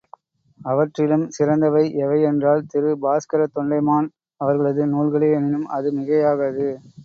அவற்றிலும் சிறந்தவை எவை என்றால் திரு பாஸ்கரத் தொண்டைமான் அவர்களது நூல்களே எனினும் அது மிகையாகாது.